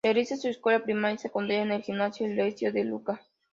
Realiza su escuela primaria y secundaria en el Gimnasio y Liceo de Lucca.